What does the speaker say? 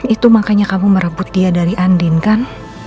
itu makanya kamu merebut dia dari andin kan